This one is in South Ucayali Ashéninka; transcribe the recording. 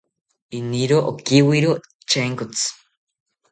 Iniro okiwiro Chenkotzi